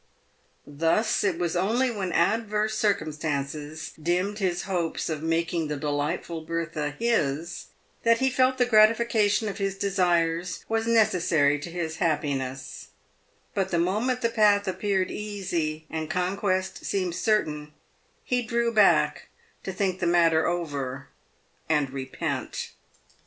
Thus it was only when adverse circumstances dimmed his hopes of making the delightful Bertha his, that he felt the gratification of his desires was necessary to his happiness, but the moment the path appeared easy, and conquest seemed certain, he drew back to think the matter over and repent.